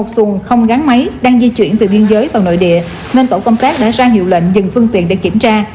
xuân không gắn máy đang di chuyển từ biên giới vào nội địa nên tổ công tác đã ra hiệu lệnh dừng phương tiện để kiểm tra